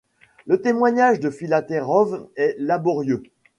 Le témoignage de Philarétov est laborieux.